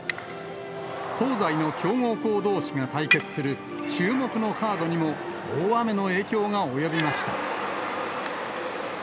東西の強豪校どうしが対決する注目のカードにも、大雨の影響が及びました。